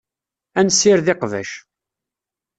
Ad nessired iqbac.